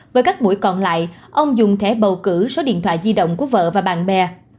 với các buổi còn lại ông dùng thẻ bầu cử số điện thoại di động của vợ và bạn bè